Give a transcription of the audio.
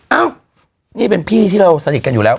เอ้านี่เป็นพี่ที่เราสนิทกันอยู่แล้ว